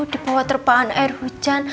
di bawah terpaan air hujan